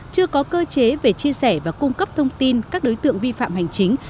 chưa có cơ chế về chia sẻ và cung cấp thông tin các đối tượng vi phạm hành chính